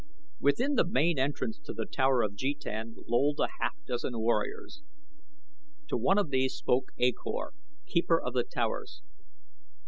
Within the main entrance to The Tower of Jetan lolled a half dozen warriors. To one of these spoke A Kor, keeper of the towers.